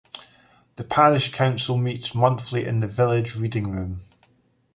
The parish council meets monthly in the village reading room.